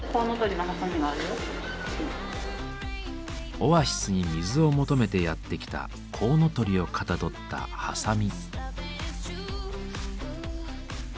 オアシスに水を求めてやって来たコウノトリをかたどったハサミ。